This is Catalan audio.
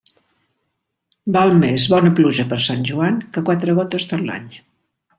Val més bona pluja per Sant Joan que quatre gotes tot l'any.